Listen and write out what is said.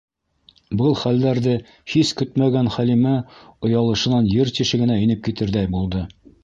Был хәлдәрҙе һис көтмәгән Хәлимә оялышынан ер тишегенә инеп китерҙәй булды.